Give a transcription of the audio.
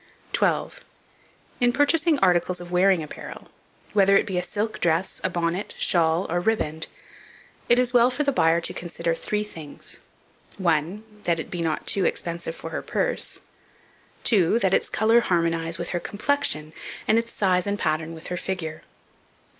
12. IN PURCHASING ARTICLES OF WEARING APPAREL, whether it be a silk dress, a bonnet, shawl, or riband, it is well for the buyer to consider three things: I. That it be not too expensive for her purse. II. That its colour harmonize with her complexion, and its size and pattern with her figure.